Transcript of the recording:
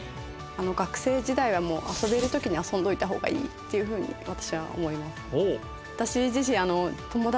学生時代はもう遊べる時に遊んどいた方がいいっていうふうに私は思います。